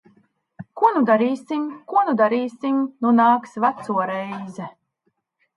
Ko nu darīsim? Ko nu darīsim? Nu nāks veco reize.